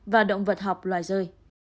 và động vật học loài rơi